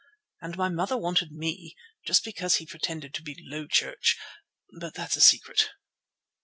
And my mother wanted me, just because he pretended to be low church—but that's a secret."